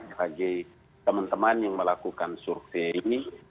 bagi teman teman yang melakukan survei